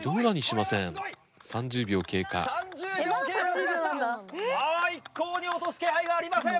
まだ一向に落とす気配がありません。